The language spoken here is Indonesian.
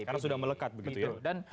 karena sudah melekat begitu ya